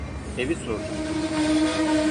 Evi sordum.